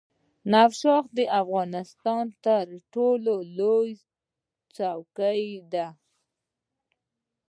نوشاخ د افغانستان تر ټولو لوړه څوکه ده.